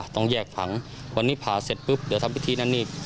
ต้องแยกฝังวันนี้พาเสร็จเดี๋ยวทำพิธีนั้น